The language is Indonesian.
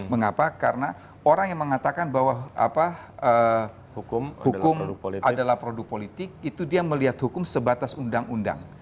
mengapa karena orang yang mengatakan bahwa hukum adalah produk politik itu dia melihat hukum sebatas undang undang